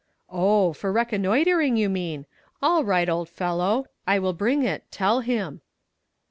"Oh, for reconnoitering you mean; all right old fellow, I will bring it, tell him."